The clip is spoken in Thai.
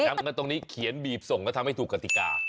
จำกันตรงนี้เขียนบีบส่งก็ทำให้ถูกกฎิกา